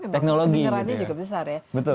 teknologi benar benar juga besar ya